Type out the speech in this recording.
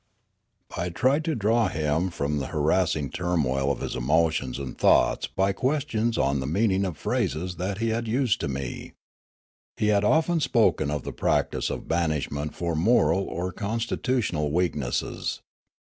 I tried to draw him from the harassing turmoil of his emotions and thoughts by questions on the mean ing of phrases that he had used to me. He had often spoken of the practice of banishment for moral or con stitutional weaknesses.